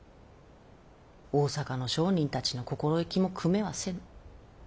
大坂の商人たちの心意気もくめはせぬ。